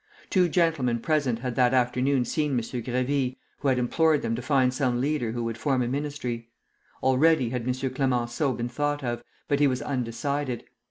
Two gentlemen present had that afternoon seen M. Grévy, who had implored them to find some leader who would form a ministry; already had M. Clemenceau been thought of, but he was undecided.